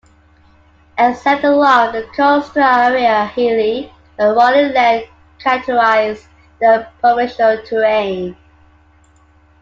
Except along the coastal area, hilly and rolling land characterized the provincial terrain.